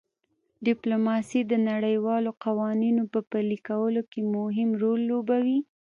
ډیپلوماسي د نړیوالو قوانینو په پلي کولو کې مهم رول لوبوي